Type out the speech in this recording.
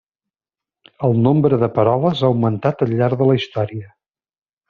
El nombre de peroles ha augmentat al llarg de la història.